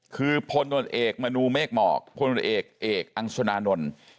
คือพนตรเอกมณูเมกเหมาะพนตรเอกเอกอังสุนานนท์